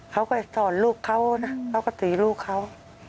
เขาก็สอนลูกเขานะเขาก็ตีลูกเขา